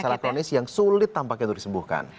masalah kronis yang sulit tampaknya untuk disembuhkan